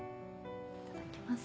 いただきます。